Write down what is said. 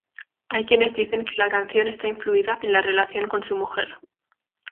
Hay quienes dicen que la canción está influida en la relación con su mujer.